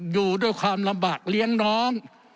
อยู่ด้วยความลำบากเลี้ยงน้อง